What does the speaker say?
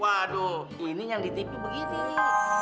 waduh ini yang di tv begini nih